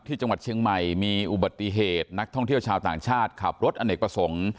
ที่จังหวัดเชียงใหม่มีอุบัติเหตุนักท่องเที่ยวชาวต่างชาติขับรถอเนกประสงค์